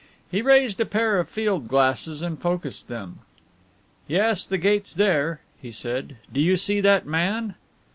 He raised a pair of field glasses and focused them. "Yes, the gate's there," he said. "Do you see that man?"